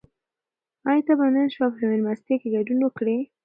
آیا ته به نن شپه په مېلمستیا کې ګډون وکړې؟